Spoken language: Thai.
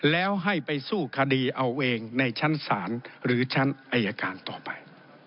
แล้วให้ไปสู้คดีเอาเองในชั้นศาลหรือชั้นอายการต่อไป